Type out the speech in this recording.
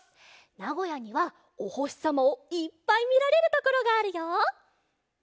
なごやにはおほしさまをいっぱいみられるところがあるよ！